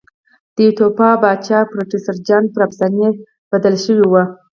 د ایتوپیا پاچا پرسټر جان پر افسانې بدل شوی و.